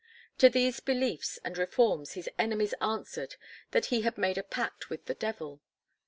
To these benefits and reforms his enemies answered that he had made a pact with the devil.